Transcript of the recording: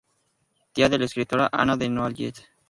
Tía de la escritora Anna de Noailles.